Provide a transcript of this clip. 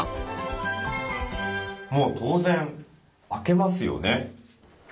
もう当然開けますよね。